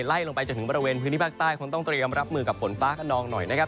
ไล่ลงไปจนถึงบริเวณพื้นที่ภาคใต้คงต้องเตรียมรับมือกับฝนฟ้าขนองหน่อยนะครับ